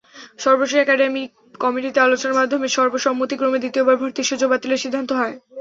সর্বশেষ একাডেমিক কমিটিতে আলোচনার মাধ্যমে সর্বসম্মতিক্রমে দ্বিতীয়বার ভর্তির সুযোগ বাতিলের সিদ্ধান্ত হয়।